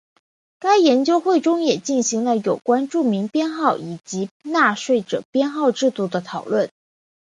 该研究会中也进行了有关住民编号以及纳税者编号制度的讨论。